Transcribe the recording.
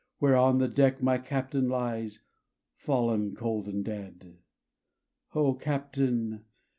Where on the deck my Captain lies, Fallen cold and dead. O Captain!